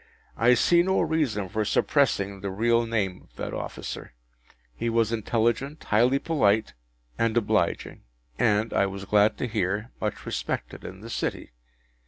I see no reason for suppressing the real name of that officer. He was intelligent, highly polite, and obliging, and (I was glad to hear) much respected in the City.